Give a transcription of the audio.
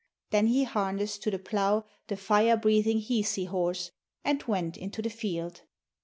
Then he harnessed to the plough the fire breathing Hisi horse, and went into the field.